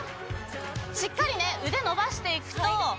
しっかりねうでのばしていくと。